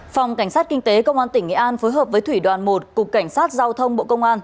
phòng cảnh sát kinh tế công an tỉnh nghệ an phối hợp với thủy đoàn một cục cảnh sát giao thông bộ công an